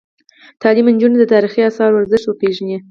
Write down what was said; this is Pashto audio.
تعلیم نجونو ته د تاریخي اثارو ارزښت ور پېژني.